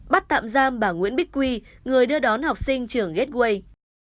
bắt tạm giam bà nguyễn bích quy người đưa đón học sinh trường gateway